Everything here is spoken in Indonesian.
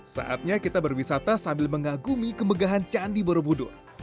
saatnya kita berwisata sambil mengagumi kemegahan candi borobudur